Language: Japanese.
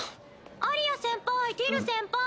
・アリヤ先輩ティル先輩